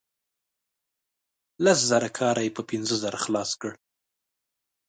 لس زره کار یې په پنځه زره خلاص کړ.